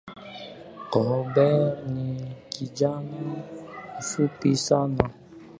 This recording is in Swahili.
Robert ni kijana mfupi sana